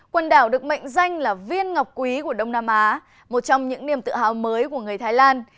quần đảo được mệnh danh là viên ngọc quý của đông nam á một trong những niềm tự hào mới của người thái lan